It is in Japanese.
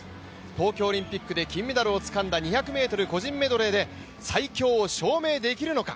東京オリンピックで金メダルをつかんだ２００ｍ個人メドレーで最強を証明できるのか。